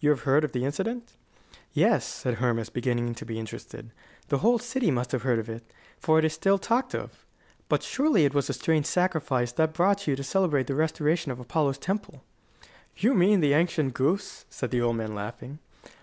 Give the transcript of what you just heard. You have heard of the incident?" "Yes," said Hermas, beginning to be interested; "the whole city must have heard of it, for it is still talked of. But surely it was a strange sacrifice that you brought to celebrate the restoration of Apollo's temple?" "You mean the ancient goose?" said the old man laughing.